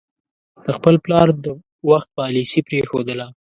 د خپل پلار د وخت پالیسي پرېښودله.